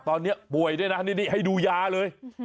ตอนนี้ป่วยด้วยนะนี่ให้ดูยาเลย